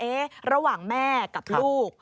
ระหว่างแม่กับลูก